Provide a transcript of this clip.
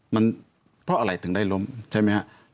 มันเพราะอะไรถึงได้ล้มใช่ไหมครับ